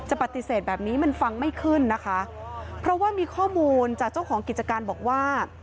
ปฏิเสธแบบนี้มันฟังไม่ขึ้นนะคะเพราะว่ามีข้อมูลจากเจ้าของกิจการบอกว่า